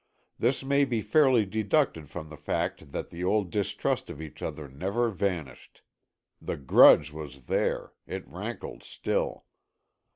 This may be fairly deducted from the fact that the old distrust of each other never vanished. The grudge was there, it rankled still.